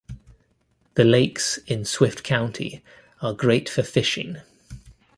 The lakes in Swift County are great for fishing.